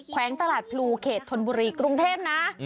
แขวงตลาดพลูเขตธนบุรีกรุงเทพนะ